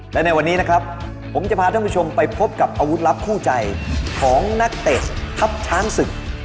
และในวันนี้นะครับผมจะพาท่านผู้ชมไปพบกับอาวุธลับคู่ใจของนักเตะทัพช้างศึก